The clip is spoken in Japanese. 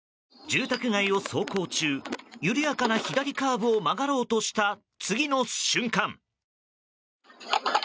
住宅街を走行中緩やかな左カーブを曲がろうとした次の瞬間。